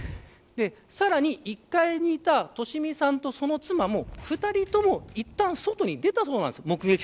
さらに１階にいた利美さんとその妻も２人とも一度外に出たんだそうです。